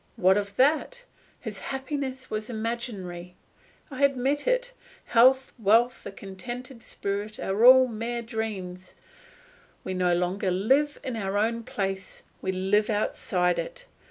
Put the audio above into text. What of that? His happiness was imaginary. I admit it; health, wealth, a contented spirit, are mere dreams. We no longer live in our own place, we live outside it.